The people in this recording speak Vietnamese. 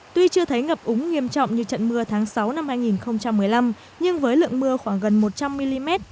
tuy chưa thấy ngập úng nghiêm trọng như trận mưa tháng sáu năm hai nghìn một mươi năm nhưng với lượng mưa khoảng gần một trăm linh mm